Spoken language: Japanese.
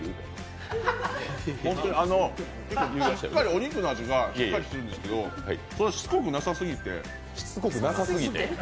本当にあのお肉の味がしっかりしているんですけども、しつこくなさすぎて？